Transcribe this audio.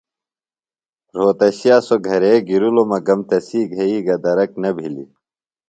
رھوتشِیہ سوۡ گھرے گِرِلوۡ مگم تسی گھئی گہ درک نہ بِھلیۡ۔